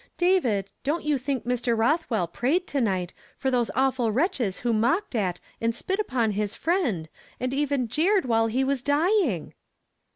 "David, don't you think Mr. Ilothvvell prayed, to night, for those awful wretches who mocked at and spit upon his friend, and even jeered while he' was dying